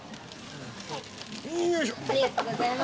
ありがとうございます。